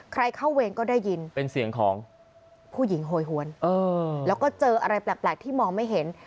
ใครเข้าเวรก็ได้ยินเป็นเสียงของผู้หญิงโหยหวนแล้วก็เจออะไรแปลกที่มองไม่เห็น